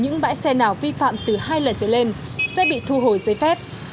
những bãi xe nào vi phạm từ hai lần trở lên sẽ bị thu hồi giấy phép